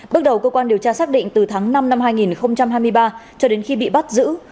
bước đầu cơ quan điều tra xác định từ tháng năm năm hai nghìn hai mươi ba cho đến khi bị bắt giữ